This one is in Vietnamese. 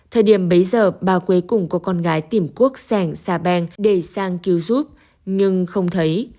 thời điểm bấy giờ bà quế cũng có con gái tìm cuốc sẻng xa bèn để sang cứu giúp nhưng không thấy